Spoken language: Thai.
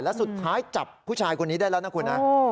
และสุดท้ายจับผู้ชายคนนี้ได้แล้วนะคุณนะ